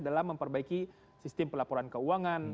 dalam memperbaiki sistem pelaporan keuangan